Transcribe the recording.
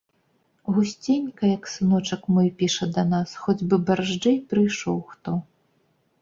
Гусценька як, сыночак мой піша да нас, хоць бы барзджэй прыйшоў хто.